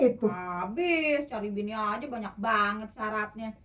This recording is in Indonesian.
habis cari binio aja banyak banget syaratnya